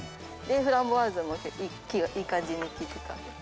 フランボワーズもいい感じに利いてたので。